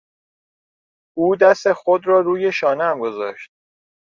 او دست خود را روی شانهام گذاشت.